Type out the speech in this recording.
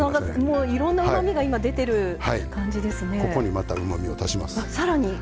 いろんなうまみがここにまたうまみを足します。